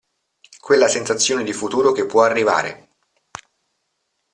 Quella sensazione di futuro che può arrivare.